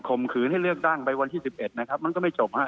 มขืนให้เลือกตั้งไปวันที่๑๑นะครับมันก็ไม่จบฮะ